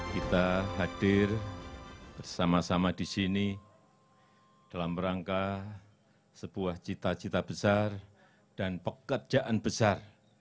kita hadir bersama sama di sini dalam rangka sebuah cita cita besar dan pekerjaan besar